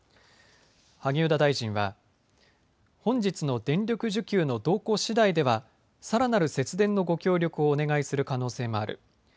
萩生田大臣は本日の電力需給の動向しだいではさらなる節電のご協力をお願いする可能性もある。